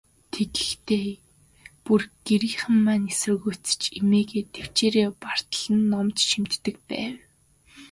Тэгэхдээ, бүр гэрийнхэн маань эсэргүүцэж, эмээгээ тэвчээрээ бартал нь номд шимтдэг байв.